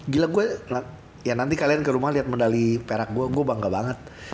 gila gue ya nanti kalian ke rumah lihat medali perak gue gue bangga banget